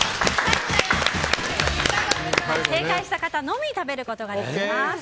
正解した方のみ食べることができます。